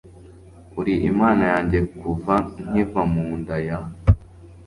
uri imana yanjye kuva nkiva mu nda ya